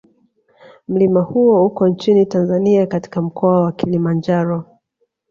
Mlima huo uko nchini Tanzania katika Mkoa wa Kilimanjaro